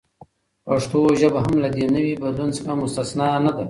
پښتو ژبه هم له دې نوي بدلون څخه مستثناء نه ده.